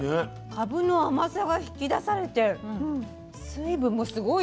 かぶの甘さが引き出されて水分もすごいですね。